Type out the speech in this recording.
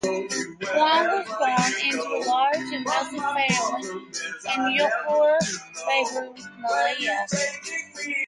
Wong was born into a large and wealthy family in Johor Bahru, Malaya.